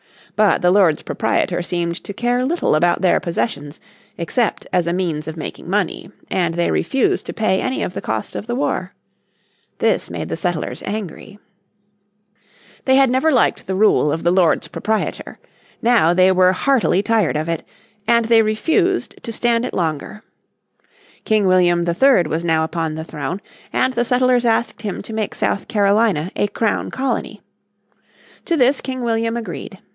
But the Lords Proprietor seemed to care little about their possessions except as a means of making money. And they refused to pay any of the cost of the war. This made the settlers angry. The settlers revolt and Carolina becomes a royal province, 1719 They had never liked the rule of the Lords Proprietor; now they were heartily tired of it and they refused to stand it longer. King William III was now upon the throne, and the settlers asked him to make South Carolina a Crown Colony. To this King William agreed.